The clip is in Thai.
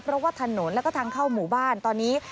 เพราะว่าถนนแล้วก็ทางเข้าหมู่บ้านตอนนี้